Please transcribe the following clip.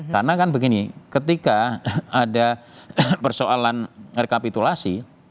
karena kan begini ketika ada persoalan rekapitulasi